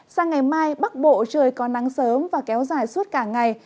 sang ngày mai bắc bộ trời có nắng sớm và kéo dài suốt cả ngày